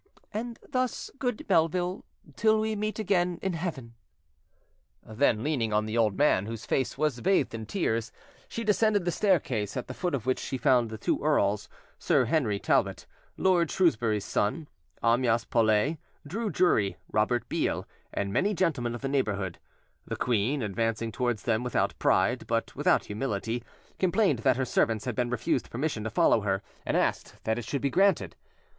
And thus, good Melville, till we meet again in heaven." Then, leaning on the old man, whose face was bathed in tears, she descended the staircase, at the foot of which she found the two earls, Sir Henry Talbot, Lord Shrewsbury's son, Amyas Paulet, Drue Drury, Robert Beale, and many gentlemen of the neighbourhood: the queen, advancing towards them without pride, but without humility, complained that her servants had been refused permission to follow her, and asked that it should be granted.